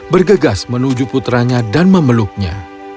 bergegas menuju putranya dan memeluknya